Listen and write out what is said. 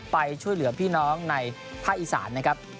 ไปช่วยเหลือพี่น้องในภาคอีสานนะครับ